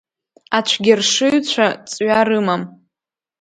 Ацәгьаршыҩцәа ҵҩа рымам.